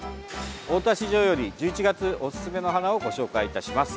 大田市場より１１月おすすめの花をご紹介いたします。